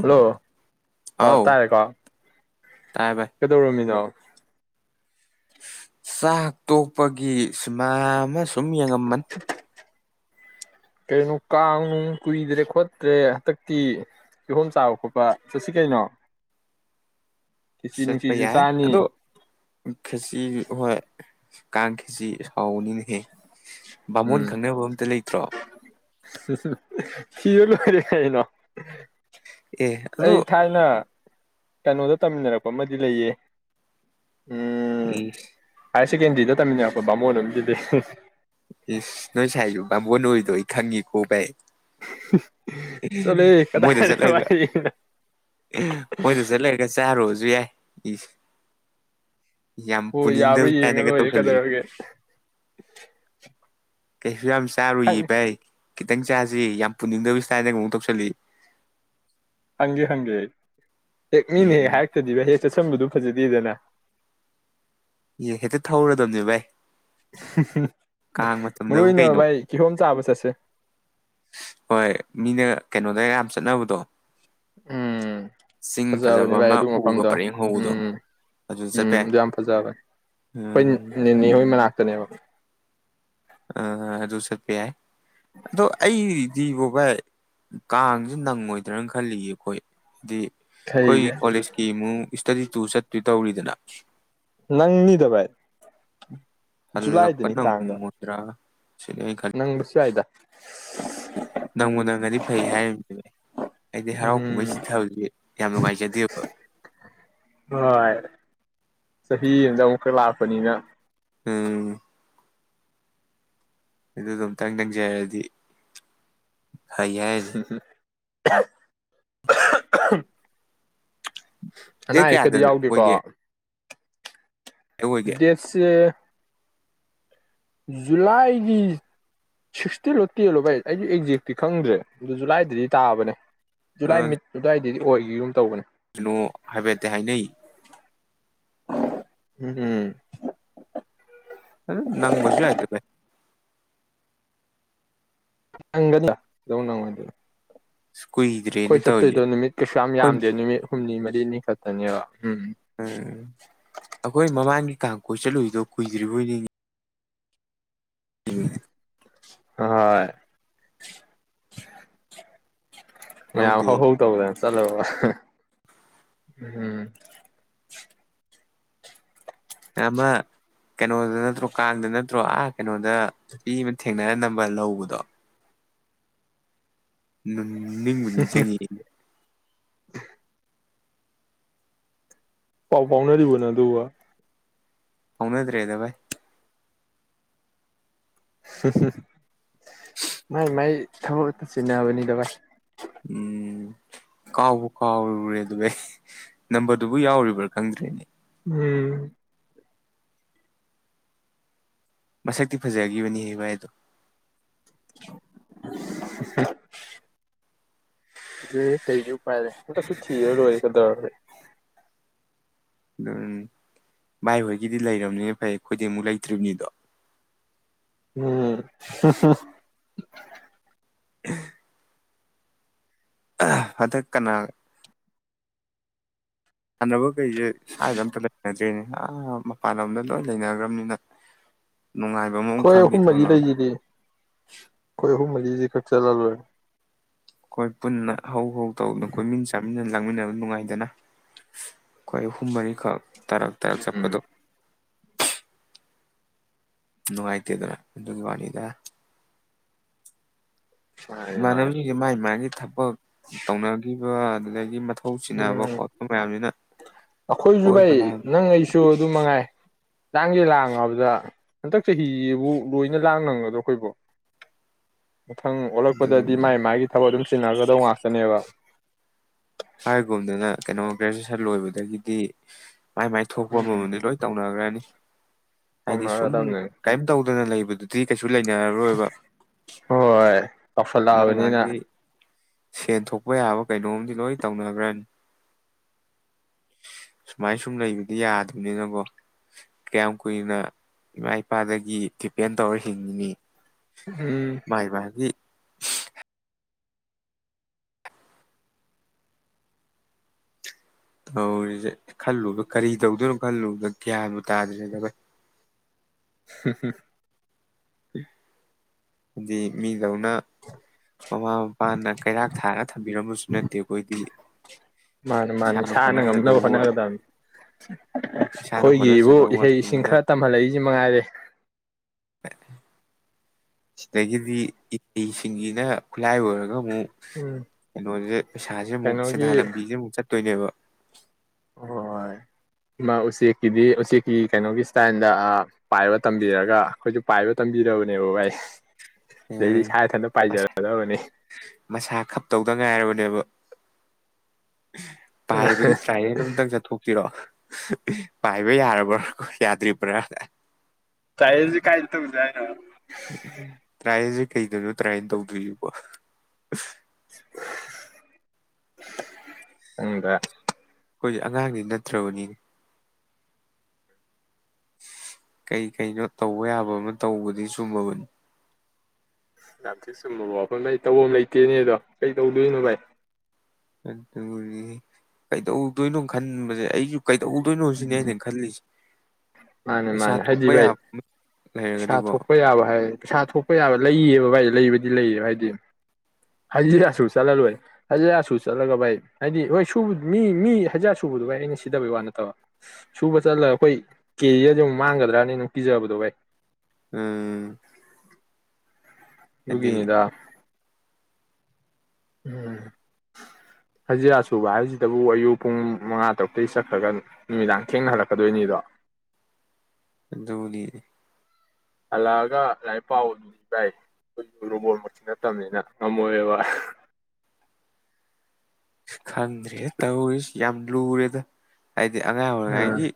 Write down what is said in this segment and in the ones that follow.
hello ꯑꯥꯎ ꯇꯥꯔꯦꯀꯣ ꯇꯥꯏ ꯚꯥꯏ ꯀꯩꯗꯧꯔꯝꯃꯤꯅꯣ ꯆꯥꯛ ꯇꯣꯛꯄꯒꯤ ꯁꯨꯃꯥꯏ ꯀꯩꯅꯣ ꯀꯥꯡꯅꯨꯡ ꯀꯨꯏꯗ꯭ꯔꯦ ꯈꯣꯠꯇ꯭ꯔꯦ ꯍꯟꯗꯛꯇꯤ ꯀꯤꯍꯣꯝ ꯆꯥꯕ ꯈꯣꯠꯄ ꯆꯠꯁꯤ ꯀꯩꯅꯣ ꯈꯦꯆꯤ ꯆꯠꯄ ꯅꯨꯡꯆꯤꯁꯨ ꯌꯥꯏ ꯑꯗꯣ ꯆꯥꯅꯤ ꯈꯦꯁꯤ ꯍꯣꯏ ꯀꯥꯡꯈꯤꯁꯤ ꯍꯥꯎꯅꯤꯅꯦꯍꯦ ꯕꯥꯃꯣꯟ ꯈꯪꯅꯕ ꯑꯝꯇ ꯂꯩꯇ꯭ꯔꯣ ꯁꯤꯤ ꯂ ꯐꯔꯦ ꯍꯥꯏꯥꯏꯅ ꯑꯦ ꯑꯗꯣ ꯑꯩ ꯊꯥꯏꯅ ꯀꯩꯅꯣꯗ ꯇꯝꯃꯤꯟꯅꯔꯛꯄ ꯑꯃꯗꯤ ꯂꯩꯌꯦ ꯎꯝ ꯎꯝ ꯍꯥꯌꯌꯔ ꯁꯦꯀꯦꯟꯗꯔꯤꯗ ꯇꯝꯃꯤꯅꯦ ꯑꯩꯈꯣꯏ ꯕꯥꯃꯣꯟ ꯑꯁꯤꯗꯤ ꯏ ꯅꯣꯏ ꯆꯥꯏꯁꯨ ꯄꯥꯝꯕꯣꯟ ꯑꯣꯏꯔꯤꯗꯣ ꯑꯩ ꯈꯪꯉꯤꯀꯣ ꯚꯥꯏ ꯑ ꯃꯣꯏꯗ ꯆꯠꯂꯒ ꯋꯥꯔꯤꯅꯣ ꯃꯣꯏꯗ ꯆꯠꯂꯒ ꯆꯥꯔꯨꯔꯨꯔꯁꯨ ꯌꯥꯏ ꯎ ꯍꯣꯏ ꯌꯥꯕ꯭ꯔꯥ ꯌꯦꯡꯉ ꯂꯣꯏꯔꯦ ꯀꯗꯔꯒꯦ ꯀ ꯌꯥꯝ ꯆꯥꯔꯨ ꯏꯕꯩ ꯈꯤꯇꯪ ꯆꯥꯁꯤ ꯌꯥꯝ ꯄꯨꯅꯤꯡꯗ ꯀꯥꯏꯗꯨ ꯇꯧꯁꯜꯂꯤꯌꯦ ꯍꯪꯒꯦ ꯍꯪꯒꯦ ꯑꯩ ꯍꯦꯛ ꯎꯝ ꯃꯤꯅꯦ ꯍꯦꯒ ꯎꯝ ꯍꯥꯢꯔꯛꯇ꯭ꯔꯗꯤ ꯍꯦ ꯆ ꯆꯟꯕꯗꯨ ꯐꯖꯗꯦꯗꯅ ꯏ ꯍꯦꯛꯇ ꯊꯧꯔꯗꯕꯅꯦꯕ ꯚꯥꯏ ꯀꯥꯡ ꯃꯔꯨ ꯃꯇꯝꯗꯕꯨ ꯑꯣꯏꯅ ꯀꯩꯅꯣ ꯚꯥꯏ ꯀꯤꯍꯣꯝ ꯆꯥꯕ ꯆꯠꯁꯦ ꯍꯣꯏ ꯃꯤꯅ ꯀꯩꯅꯣꯗ ꯌꯥꯝ ꯆꯠꯅꯕꯗꯣ ꯎꯝ ꯆꯤꯡ ꯐꯖꯕꯅꯤ ꯐꯖꯕ ꯚꯥꯏ ꯑꯃ ꯑꯗꯨ ꯎꯒ ꯃꯐꯝꯗꯣ ꯄꯔꯦꯡ ꯍꯧꯕꯗꯣ ꯎꯝ ꯑꯗꯨ ꯎꯝ ꯆꯠꯄ ꯌꯥꯏ ꯌꯥꯝ ꯐꯖꯕꯅꯤ ꯑꯩꯈꯣꯏ ꯎꯝ ꯅꯦꯅꯦꯍꯣꯏ ꯃꯅꯥꯛ ꯇꯅꯦꯕ ꯑ ꯑꯗꯨ ꯆꯠꯄ ꯌꯥꯢ ꯑꯗꯣ ꯑꯩ ꯗꯤꯕꯣ ꯚꯥꯏ ꯀꯥꯡꯁꯨ ꯅꯪꯉꯣꯏꯗ꯭ꯔꯅ ꯈꯜꯂꯤꯌꯦ ꯑꯩꯈꯣꯏ ꯍꯥꯏꯗꯤ ꯀꯣꯏ ꯈꯩꯒꯤ ꯀꯣꯂꯦꯖꯀꯤꯃꯨ ꯏꯁꯇꯗꯤ ꯇꯨ ꯆꯠꯇꯨꯢ ꯇꯧꯔꯤꯗꯅ ꯅꯪꯅꯤꯗꯕꯥ ꯍꯜꯂꯛꯄ ꯅꯪꯉꯣꯢꯗ꯭ꯔꯥ ꯅꯪꯕꯁꯨ ꯌꯥꯏꯗ ꯅꯪꯉꯕꯨ ꯅꯪꯒꯗꯤ ꯐꯩ ꯍꯥꯏꯔꯤꯅꯥꯅꯦ ꯑꯩꯗꯤ ꯍꯔꯥꯎ ꯀꯨꯝꯍꯩ ꯎꯝ ꯁꯤꯊꯕꯗꯤ ꯌꯥꯝ ꯅꯨꯡꯉꯥꯏꯖꯗꯦꯕ ꯍꯣꯏ ꯆꯍꯤ ꯑꯃꯗ ꯑꯃꯨꯛꯀ ꯂꯥꯛꯄꯅꯤꯅ ꯎꯝ ꯑꯗꯨꯗ ꯑꯃꯨꯛꯇꯪ ꯅꯪꯖꯔꯗꯤ ꯐꯩ ꯍꯥꯢꯅꯤ ꯑ ꯑꯍꯝ ꯑꯅꯥ ꯗꯦꯠ ꯀꯌꯥꯗ ꯑꯌꯦꯛꯀꯗꯤ ꯌꯥꯎꯒꯦꯀꯣ ꯑꯣꯏꯒꯦ ꯑꯣꯏꯒꯦ ꯗꯦꯠꯁꯦ ꯖꯨꯂꯥꯏꯒꯤ ꯁꯤꯛꯁꯇꯤꯂꯣ ꯇꯦꯜꯂꯣ ꯚꯥꯏ ꯑꯩꯁꯨ ꯑꯦꯛꯖꯦꯛꯇꯤ ꯈꯪꯗ꯭ꯔꯦ ꯑꯗꯨ ꯖꯨꯂꯥꯏꯗꯗꯤ ꯇꯥꯕꯅꯦ ꯨꯖꯨꯂꯥꯏ ꯃꯥꯠ ꯑꯗ꯭ꯋꯥꯢ ꯑꯗꯨꯗꯤ ꯑꯣꯏꯒꯤꯒꯨꯝ ꯇꯧꯕꯅꯦ ꯀꯅꯣ ꯍꯥꯏꯕꯦꯠꯇꯤ ꯍꯥꯏꯅꯩ ꯎꯝ ꯑ ꯅꯪ ꯃꯁꯨ ꯌꯥꯢꯏꯗ ꯚꯥꯏ ꯅꯪꯒꯅꯥ ꯀꯩꯗꯧ ꯅꯪꯉꯣꯢꯗꯣꯢꯅꯣ ꯈꯣꯏ ꯀꯨꯏꯗ꯭ꯔꯦꯅ ꯇꯧꯔꯤꯁꯦ ꯆꯠꯇꯣꯏꯗꯣ ꯅꯨꯃꯤꯠ ꯀꯩꯁꯨ ꯌꯥꯝ ꯑꯩꯈꯣꯏ ꯌꯥꯝꯗꯦ ꯅꯨꯃꯤꯠ ꯍꯨꯝꯅꯤ ꯃꯅꯤ ꯅꯤ ꯈꯇꯅꯤꯕ ꯎꯝ ꯑꯩꯈꯣꯏ ꯃꯃꯥꯡꯒꯤ ꯇꯥꯡ ꯀꯣꯏ ꯆꯠꯂꯨꯏꯗꯣ ꯀꯨꯏꯗ꯭ꯔꯤꯕꯣꯏꯅꯤꯉ ꯏꯅꯦ ꯍꯣꯏ ꯃ ꯈꯪꯍꯧꯗꯦ ꯍꯥꯎ ꯍ ꯇꯧꯧꯕꯗ ꯆꯂꯣꯝ ꯑꯃ ꯀꯩꯅꯣꯗ ꯅꯠꯇ꯭ꯔꯣ ꯀꯥꯡꯗ ꯅꯠꯇ꯭ꯔꯣ ꯑꯥ ꯀꯩꯅꯣꯗ ꯅꯨꯄꯤ ꯑꯃ ꯊꯦꯡꯅꯔ ꯅꯝꯕ ꯂꯧꯕꯗꯣ ꯎꯝ ꯅꯤꯡꯕ ꯅꯤꯡ ꯆꯪꯉꯦ ꯄꯥꯎ ꯐꯥꯎꯅꯔꯤꯕꯅꯦ ꯑꯗꯨꯒ ꯎꯃꯤꯗ ꯔꯦꯗꯕꯥꯏ ꯃꯥꯏ ꯃꯥꯏ ꯊꯕꯛꯛꯇ ꯁꯤꯟꯅꯕꯅꯤꯗꯕꯥ ꯎꯝ ꯀꯥꯎꯕ ꯀꯥꯎꯔꯨꯔꯦ ꯑꯗꯨ ꯑꯩ ꯅꯝꯕꯔꯗꯨꯕꯨ ꯌꯥꯎꯔꯤꯕ꯭ꯔꯥ ꯈꯪꯗ꯭ꯔꯦꯅꯦ ꯎꯝ ꯃꯁꯛꯇꯤ ꯐꯖꯈꯤꯕꯅꯤꯕꯏꯗꯣ ꯑ ꯑꯗꯨ ꯀꯩꯗꯤ ꯎꯄꯥꯏꯔꯦ ꯍꯟꯗꯛꯁꯨ ꯊꯤꯔ ꯂꯣꯏꯔꯒꯗꯧ ꯑꯗꯨꯝ ꯚꯥꯏ ꯍꯣꯏꯒꯤꯗꯤ ꯂꯩꯔꯕꯅꯤ ꯐꯩ ꯈꯨꯗꯤꯡꯃꯨꯛ ꯂꯩꯇ꯭ꯔꯤꯕꯅꯤꯗꯣ ꯎꯝ ꯍ ꯍ [unintelligible] [unintelligible] ꯑꯗꯨꯗ ꯀꯅꯥꯒ ꯁꯥꯟꯅꯕ ꯀꯩꯁꯦ ꯁ꯭ꯋꯥꯏꯗ ꯑꯃꯝꯇ ꯂꯩꯅꯗ꯭ꯔꯤꯅꯦ ꯃꯄꯥꯟꯂꯣꯝꯗ ꯂꯣꯏ ꯂꯩꯅꯈ꯭ꯔꯕꯅꯤꯅ ꯅꯨꯡꯉꯥꯏꯕ ꯑꯃ ꯑꯩꯣꯏ ꯈꯪꯗꯤ ꯑꯍꯨꯝ ꯃꯔꯤ ꯈꯪꯉꯔꯣꯏ ꯂꯩꯈꯤꯗꯤ ꯑꯩꯣꯏ ꯑꯍꯨꯝ ꯃꯔꯤꯁꯦ ꯈꯛ ꯆꯂ ꯑꯩꯈꯣꯏ ꯄꯨꯟꯅ ꯍꯧ ꯇꯧꯗꯅ ꯀꯣꯏꯃꯤꯟ ꯆꯥꯃꯤꯟꯅ ꯂꯥꯡꯃꯤꯟꯅꯕ ꯅꯨꯡꯉꯥꯏꯗꯅ ꯑꯩꯈꯣꯏ ꯑꯍꯨꯝ ꯃꯔꯤꯈꯛ ꯇꯔꯛ ꯇꯔꯛ ꯎꯝ ꯆꯠꯄꯗꯣ ꯅꯨꯡꯉꯥꯏꯇꯦꯗꯅ ꯑꯗꯨꯒꯤ ꯋꯥꯅꯤꯗ ꯃꯥꯅꯤ ꯃꯅ ꯃꯥꯅꯤ ꯃꯥꯥꯏ ꯃꯥꯒꯤꯦ ꯊꯕꯛ ꯇꯧꯅꯒꯤ ꯑꯣ ꯑꯗꯨꯗꯒꯤ ꯃ ꯃꯊꯧ ꯆꯅꯕ ꯎꯝ ꯈꯣꯠꯄ ꯃꯌꯥꯝꯁꯤꯅ ꯑꯩꯈꯣꯏꯁꯨ ꯚꯥꯏ ꯀꯣꯏꯕ ꯂꯥꯡꯕ ꯅꯪ ꯑꯩꯁꯨ ꯑꯗꯨꯝ ꯃꯉꯥꯏ ꯆꯥꯡꯒꯤꯦ ꯂꯥꯡ ꯥꯕꯗ ꯍꯟꯗꯛ ꯆꯍꯤꯁꯤꯕꯨ ꯂꯣꯏꯅ ꯂꯥꯡ ꯅꯪꯒꯗ꯭ꯔꯣ ꯑꯩꯈꯣꯏꯕꯨ ꯃꯊꯪ ꯑꯣꯜꯂꯛꯄꯗꯗꯤ ꯃꯥꯥꯏ ꯑꯗꯨꯝ ꯃꯥꯒꯤ ꯊꯕꯛ ꯑꯗꯨꯝ ꯆꯟꯅꯒꯗꯧ ꯉꯥꯛꯇꯅꯦꯕ ꯍꯥꯏꯒꯨꯝꯗꯅ ꯀꯩꯅꯣ ꯁꯟ ꯂꯣꯏꯕꯗꯒꯤꯗꯤ ꯃꯥꯏ ꯃꯥꯏ ꯊꯣꯛꯄ ꯎꯝ ꯑꯃꯃꯗꯤ ꯂꯣꯏ ꯇꯧꯅꯈ꯭ꯔꯦꯅꯤ [inaudible] ꯍꯥꯏꯗꯤ ꯁꯨꯝ ꯇꯧꯅꯔꯗꯕꯅꯦ ꯀꯥꯏꯝ ꯇꯧ ꯅ ꯂꯩꯕꯗꯨ ꯇꯔꯤ ꯀꯩꯁꯨ ꯂꯩꯅꯔꯔꯣꯏꯕ ꯍꯣꯏ ꯃꯥ ꯑꯉꯥꯡꯁꯤ ꯆꯥꯎꯁꯜꯂꯛꯑꯕꯅꯤꯅ ꯁꯦꯟ ꯊꯣꯛꯄ ꯌꯥꯕ ꯀꯩꯅꯣꯝꯗꯤ ꯂꯣꯏ ꯇꯧꯅꯈ꯭ꯔꯅꯤ ꯁꯨꯃꯥꯏ ꯁꯨꯝ ꯂꯩꯕꯗꯤ ꯌꯥꯗꯕꯅꯤꯅꯀꯣ ꯀꯌꯥꯝ ꯀꯨꯏꯅ ꯏꯃꯥ ꯏꯄꯥꯗꯒꯤ ꯗꯤꯄꯦꯟ ꯇꯧꯔ ꯍꯤꯡꯉꯤꯅꯤ ꯎꯝ ꯚꯏ ꯥꯏ ꯇꯧꯔꯤꯁꯦ ꯈꯜꯂꯨꯕ ꯀꯔꯤ ꯇꯧꯗꯣꯏꯅꯣ ꯈꯜꯂꯨꯕꯗ ꯒ꯭ꯌꯥꯕꯨ ꯇꯥꯗ꯭ꯔꯦ ꯁꯤ ꯁꯤ ꯖꯤ ꯃꯤ ꯗꯧꯅ ꯃꯃꯥ ꯃꯄꯥꯅ ꯀꯩꯔꯥꯛ ꯊꯥꯔꯒ ꯊꯝꯕꯤꯔꯝꯕꯁꯨ ꯅꯠꯇꯦ ꯑꯩꯈꯣꯏꯗꯤ ꯃꯥꯅꯦ ꯃꯥꯅꯦ ꯏꯁꯥꯅ ꯉꯝꯅꯕ ꯍꯣꯠꯅꯖꯗꯧꯕ ꯍꯣꯠꯅꯒꯗꯕꯅꯤ ꯏꯁꯥꯅ ꯑꯩꯈꯣꯏꯒꯤꯕꯨ ꯍꯣꯠꯅꯖꯗꯧꯕ ꯏꯍꯩ ꯏꯁꯤꯡ ꯉꯥꯛꯇꯅꯤꯅ ꯈꯔ ꯇꯝꯍꯜꯂꯛꯏꯁꯤ ꯃꯉꯥꯏꯔꯦ ꯁꯤꯗꯒꯤꯗꯤ ꯏꯁꯤꯡꯁꯤꯅ ꯈꯨꯠꯂꯥꯏ ꯑꯣꯏꯔꯒ ꯑꯃꯨꯛ ꯎꯝ ꯀꯩꯅꯣꯁꯦ ꯄꯩꯁꯥꯁꯦ ꯑꯃꯨꯛ ꯁꯦꯟꯗꯥꯟ ꯀꯩꯅꯣꯒꯤ ꯂꯝꯕꯤꯁꯦ ꯑꯃꯨꯛ ꯆꯠꯇꯣꯏꯅꯦꯕ ꯍ ꯎꯆꯦꯛꯀꯤꯗꯤ ꯎꯆꯦꯛꯀꯤ ꯀꯩꯅꯣꯒꯤ ꯏꯁꯇꯥꯏꯜꯗ ꯄꯥꯏꯕ ꯇꯝꯕꯤꯔꯒ ꯑꯩꯈꯣꯏꯁꯨ ꯄꯥꯏꯕ ꯇꯝꯕꯤꯔꯕꯅꯦꯕ ꯚꯥꯏ ꯑꯗꯩꯗꯤ ꯎꯝ ꯏꯁꯥ ꯏꯊꯟꯇ ꯄꯥꯏꯖꯔꯗꯕꯅꯤ ꯃꯁꯥ ꯈꯞꯇꯧꯗ ꯉꯥꯏꯔꯕꯅꯦꯕ ꯄꯥꯏꯕꯒꯤ ꯇ꯭ꯔꯥꯏꯩꯅ ꯑꯝꯇꯪ ꯆꯠꯊꯣꯛꯄꯤꯔꯣ ꯄꯥꯏꯕ ꯌꯥꯔꯕ꯭ꯔꯥꯣ ꯌꯥꯗ꯭ꯔꯤꯕ꯭ꯔꯥ ꯁꯥꯏꯟꯁꯁꯦ ꯀꯥꯏꯗ ꯇꯧꯁꯦ ꯍꯥꯏꯅꯣ ꯇꯥꯏꯁꯨ ꯊꯩꯗꯕꯣ ꯇ꯭ꯔꯥꯏꯅ ꯇꯧꯕꯤꯕꯣ [inaudible] ꯑꯟꯗ ꯑꯩꯈꯣꯏ ꯑꯉꯥꯡꯗꯤ ꯅꯠꯇ꯭ꯔꯕꯅꯤ ꯀꯩ ꯀꯩꯅꯣ ꯇꯧꯕ ꯌꯥꯕ ꯑꯃ ꯇꯧꯕꯗꯤ ꯆꯨꯝꯃꯕꯅꯤ ꯌꯥꯝ ꯊꯤ ꯆꯨꯝꯕ ꯋꯥꯐꯝꯗ ꯑꯩ ꯇꯧꯐꯝ ꯑꯃ ꯂꯩꯇꯦꯅꯦ ꯑꯗꯣ ꯀꯩ ꯇꯧꯗꯣꯏꯅꯣ ꯚꯥꯏ ꯑꯗꯨꯗꯤ ꯀꯩꯗꯧꯗꯣꯏꯅꯣ ꯈꯟꯕꯁꯦ ꯑꯩꯁꯨ ꯀꯩꯗꯧꯗꯣꯏꯅꯣ ꯁꯤꯅꯦ ꯎꯝ ꯑꯩꯅ ꯈꯜꯂꯤꯁꯦ ꯃꯥꯅꯦ ꯄꯩꯁꯥ ꯃꯥꯅꯦ ꯍꯥꯏꯗꯤ ꯊꯣꯛꯄ ꯚꯥꯏ ꯌꯥꯕ ꯄꯩꯁꯥ ꯂꯩꯔꯒꯗꯤꯀꯣ ꯊꯣꯛꯄ ꯌꯥꯕ ꯍꯥꯏ ꯄꯩꯁꯥ ꯊꯣꯛꯄ ꯌꯥꯕ ꯂꯩꯕ ꯚꯥꯏ ꯂꯩꯕꯗꯤ ꯂꯩꯌꯦ ꯍꯥꯏꯗꯤ ꯍꯖꯤꯔꯥꯁꯨ ꯆꯠꯂ ꯂꯣꯏ ꯍꯖꯤꯔꯥꯁꯨ ꯆꯠꯂꯒ ꯚꯥꯏ ꯍꯥꯏꯗꯤ ꯍꯣꯏ ꯁꯕ ꯃꯤ ꯃꯤ ꯍꯖꯥꯠ ꯁꯨꯕꯗꯨ ꯑꯩꯅ ꯁꯤꯗꯕꯩ ꯋꯥ ꯅꯠꯇꯕ ꯁꯨꯕ ꯆꯠꯂꯒ ꯑꯩꯈꯣꯏ ꯀꯦꯖꯤꯁ ꯑꯃꯨꯛ ꯃꯥꯡꯒꯗ꯭ꯔꯅꯤ ꯅꯨꯡ ꯄꯤꯖꯕꯗꯣꯚꯩ ꯎꯝ ꯍꯥꯏꯗꯤ ꯑꯗꯨꯒꯤꯅꯤꯗꯥ ꯎꯝ ꯐꯖꯤꯔꯥꯁꯨꯕ ꯍꯥꯏꯁꯤꯗꯕꯨ ꯑꯌꯨꯛ ꯄꯨꯡ ꯃꯉꯥ ꯇꯔꯨꯛꯇꯒꯤ ꯆꯠꯈ꯭ꯔꯒ ꯅꯨꯃꯤꯗꯥꯡ ꯊꯦꯡꯅꯍꯜꯂꯛꯀꯗꯣꯏꯅꯤꯗꯣ ꯣꯂꯤ ꯍꯜꯂꯛꯑꯒ ꯂꯥꯏ ꯄꯥꯎꯗꯨꯗꯤ ꯚꯥꯏ ꯑꯩꯈꯣꯏꯁꯨ ꯔꯣꯕꯣꯠꯃꯛꯇ ꯅꯠꯇꯕꯅꯤꯅ ꯉꯝꯃꯣꯏꯕ ꯈꯪꯗ꯭ꯔꯦ ꯇꯧꯔꯤꯁꯤ ꯌꯥꯝ ꯂꯨꯔꯦꯗ ꯍꯥꯏꯗꯤ ꯑꯉꯥꯡ ꯑꯣꯏꯔꯤꯉꯩꯒꯤ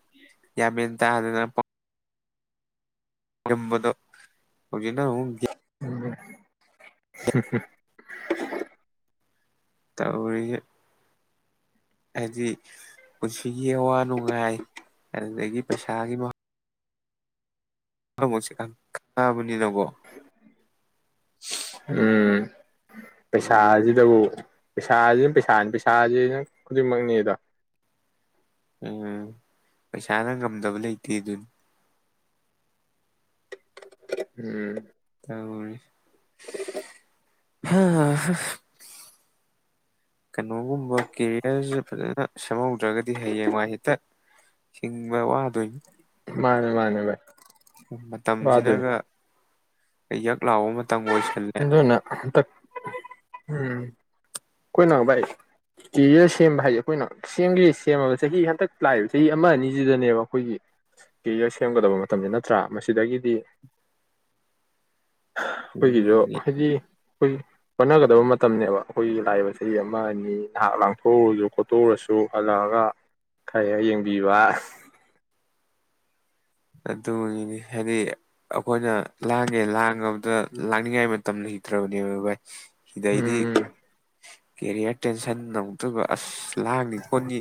ꯌꯥꯝꯃꯦꯟ ꯇꯗꯅ ꯂꯩꯔꯝꯕꯗꯣ ꯍꯧꯖꯤꯛꯅ ꯑꯃꯨ ꯎꯝ ꯇꯧꯔꯤ ꯍꯥꯏꯗꯤ ꯄꯨꯟꯁꯤꯒꯤ ꯑꯋꯥ ꯅꯨꯡꯉꯥꯏ ꯑꯗꯨꯗꯒꯤ ꯄꯩꯁꯥꯒꯤ ꯃꯍꯥꯎ ꯍꯂꯣꯁꯤ ꯀꯥꯟ ꯎꯝ ꯑꯗꯨꯅ ꯄꯩꯁꯥꯁꯤꯗꯕꯨ ꯄꯩꯁꯥꯁꯤꯅ ꯄꯩꯁꯥꯅꯤ ꯄꯩꯁꯥꯁꯤꯅ ꯈꯨꯗꯤꯡꯃꯛꯅꯤ ꯑꯗ ꯎꯝ ꯄꯩꯁꯥꯅ ꯉꯝꯗꯕ ꯂꯩꯇꯦ ꯑꯗꯨꯅꯤ ꯎꯝ ꯇ [unintelligible] ꯀꯩꯅꯣꯒꯨꯝꯕ ꯀꯦꯔꯤꯌꯔꯁꯦ ꯐꯖꯅ ꯁꯦꯝꯍꯧꯗ꯭ꯔꯒꯗꯤ ꯍꯌꯦꯡꯋꯥꯏ ꯍꯦꯛꯇ ꯍꯤꯡꯕ ꯋꯥꯗꯣꯏꯅꯤ ꯃꯥꯅꯦ ꯃꯥꯅꯦ ꯥꯏ ꯃꯇꯝꯁꯤꯅꯒ ꯏꯌꯥ ꯀꯂꯑꯣꯣ ꯃ ꯅ ꯎꯝ ꯑꯩꯈꯣꯏꯅ ꯚꯥꯏ ꯀꯦꯔꯤꯌꯔ ꯁꯦꯝꯕ ꯍꯥꯏꯁ ꯑꯩꯈꯣꯏꯅ ꯁꯦꯝꯒ ꯁꯦꯝꯃꯕ ꯆꯍꯤ ꯍꯟꯇꯛ ꯂꯥꯛꯏꯕ ꯆꯍꯤ ꯑꯃ ꯑꯅꯤꯁꯤꯗꯅꯦꯕ ꯑꯩꯈꯣꯏꯒꯤ ꯀꯦꯔꯤꯌꯔ ꯁꯦꯝꯒꯗꯕ ꯃꯇꯝꯅꯤꯗ ꯅꯠꯇ꯭ꯔꯥ ꯃꯁꯤꯗꯒꯤꯗꯤ ꯑꯩꯈꯣꯏꯒꯤꯁꯨ ꯍꯥꯏꯗꯤ ꯑꯩꯈꯣꯏ ꯍꯣꯠꯅꯒꯗꯕ ꯃꯇꯝꯅꯤꯅꯦꯕ ꯑꯩꯈꯣꯏꯒꯤ ꯂꯥꯛꯏꯕ ꯆꯍꯤ ꯑꯃꯅꯤ ꯑꯅꯤ ꯅꯍꯥꯛ ꯂꯥꯡꯊꯣꯛꯎꯔꯁꯨ ꯈꯣꯠꯇꯣꯛꯎꯔꯁꯨ ꯍꯜꯂꯛꯑꯒ ꯈꯔ ꯍꯦꯛ ꯌꯦꯡꯕꯤꯕ ꯑꯗꯨꯅꯤꯅꯤ ꯍꯥꯏꯗꯤ ꯑꯩꯈꯣꯏꯅ ꯂꯥꯡꯒꯦ ꯂꯥꯡꯉꯕꯗ ꯂꯥꯡꯅꯤꯡꯉꯥꯏ ꯃꯇꯝ ꯂꯩꯇ꯭ꯔꯕꯅꯦꯕ ꯚꯥꯏ ꯁꯤꯗꯩꯗꯤ ꯎꯝ ꯀꯦꯔꯤꯌꯔ ꯇꯦꯟꯁꯟ ꯅ ꯑꯝ ꯇꯣꯏꯕ ꯑꯁ ꯂꯥꯡꯅꯤ ꯈꯣꯠꯅꯤ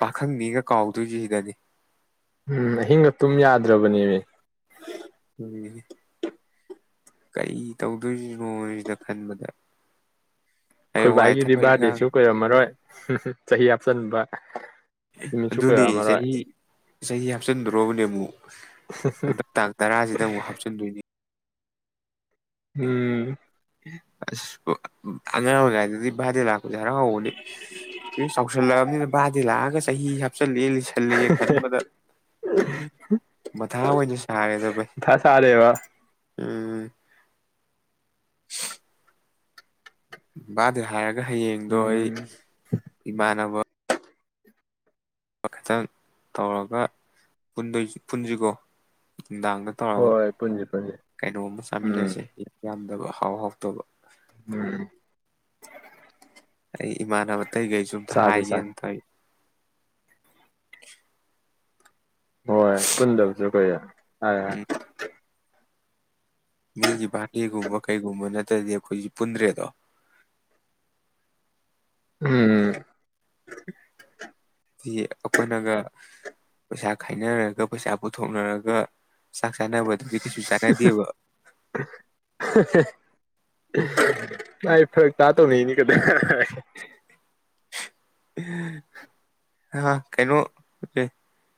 ꯄꯥꯈꯪꯅꯤꯒ ꯀꯥꯎꯗꯣꯏꯁꯤ ꯁꯤꯗꯗꯤ ꯎꯝ ꯑꯍꯤꯡꯒ ꯇꯨꯝ ꯌꯥꯗ꯭ꯔꯕꯅꯦꯃꯤ ꯎꯝ ꯀꯔꯤ ꯇꯧꯗꯣꯏꯁꯤꯅꯣ ꯁꯤꯅ ꯈꯟꯕꯗ ꯍꯌꯦꯡꯋꯥꯏ ꯈꯣꯏꯕꯥꯏꯒꯤꯗꯤ ꯊꯕꯛ ꯏꯪꯈꯥꯡ ꯕꯥꯔꯗꯦꯁꯨ ꯀꯨꯏꯔꯝꯃꯔꯣꯏ ꯆꯍꯤ ꯍꯥꯞꯆꯟꯕ ꯑꯗꯨꯅꯦ ꯆꯍꯤ ꯆꯍꯤ ꯍꯥꯞꯆꯤꯟꯗ꯭ꯔꯣꯕꯅꯦ ꯑꯃꯨꯛ ꯍꯟꯗꯛ ꯇꯥꯡ ꯇꯔꯥꯁꯤꯗ ꯑꯃꯨꯛ ꯍꯥꯞꯆꯤꯟꯗꯣꯏꯅꯤ ꯎꯝ ꯑꯦ ꯑꯁ ꯑꯉꯥꯡꯑꯣꯏ ꯉꯥꯏꯗꯗꯤ ꯑꯣꯖꯥ ꯍꯔꯥꯎ ꯍꯧꯕꯅꯤ ꯍꯧ ꯆꯥꯎꯁꯜꯂꯛꯑꯕꯅꯤꯅ ꯕꯥꯗꯤ ꯂꯥꯛꯑꯒ ꯆꯍꯤ ꯍꯥꯞꯆꯜꯂꯑꯦ ꯂꯤꯁꯜꯂꯑꯦ ꯈꯟꯕꯗ ꯃꯊꯥ ꯑꯣꯏꯅ ꯁꯥꯔꯦꯗ ꯚꯥꯏ ꯃꯊꯥ ꯁꯥꯔꯦꯕ ꯎꯝ ꯕꯥꯗꯦ ꯍꯥꯏ ꯍꯌꯦꯡꯗꯣ ꯑꯩ ꯎꯝ ꯏꯃꯥꯟꯅꯕ ꯈꯤꯇꯪ ꯇꯧꯔꯒ ꯄꯨꯟꯖꯤꯀꯣ ꯅꯨꯡꯗꯥꯡꯗ ꯇꯧꯒ ꯍꯣꯏ ꯄꯨꯟꯁꯤ ꯄꯨꯟꯁꯤ ꯀꯩꯅꯣꯝ ꯎꯝ ꯆꯥꯃꯤꯟꯅꯁꯦ ꯌꯥꯝ ꯐꯠꯇꯕ ꯍꯥꯎ ꯍꯥꯎꯇꯕ ꯎꯝ ꯑꯩ ꯏꯃꯥꯟꯅꯕ ꯇꯩ ꯀꯩꯖꯨ ꯑꯝꯇ ꯆꯥꯁꯤ ꯆꯥꯁꯤ ꯍꯥꯏꯒꯦꯅ ꯇꯩ ꯍꯣꯏ ꯄꯨꯟꯗꯕꯁꯨ ꯀꯨꯢꯔꯦ ꯍ ꯃꯤꯒꯤ ꯚꯥꯔꯗꯦꯒꯨꯝꯕ ꯀꯩꯒꯨꯝꯕ ꯅꯠꯇ꯭ꯔꯗꯤ ꯑꯩꯈꯣꯏꯒꯤ ꯄꯨꯟꯗ꯭ꯔꯦꯗꯣ ꯎꯝ ꯑꯩꯈꯣꯏꯅꯒ ꯄꯩꯁꯥ ꯈꯥꯏꯅꯔꯒ ꯄꯩꯁꯥ ꯄꯨꯊꯣꯛꯅꯔꯒ ꯆꯥꯛ ꯆꯥꯅꯕꯗꯨꯗꯤ ꯀꯩꯁꯨ ꯆꯥꯅꯗꯦꯕ ꯑꯍ ꯃꯥꯢ ꯐꯔꯛ ꯇꯥ ꯇꯧꯅꯩꯅꯤ ꯀꯩꯗ ꯍ [unintelligible] ꯍꯥ ꯀꯩꯅꯣ